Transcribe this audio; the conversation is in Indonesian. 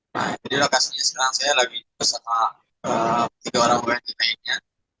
nah jadi lokasinya sekarang saya lagi bersama tiga orang yang mainnya